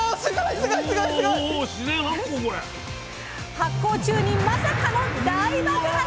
発酵中にまさかの大爆発⁉うわっ！